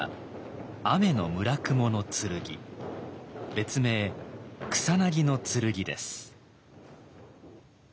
別名草薙剣です。